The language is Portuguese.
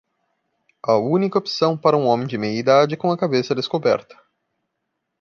A única opção para um homem de meia-idade com a cabeça descoberta.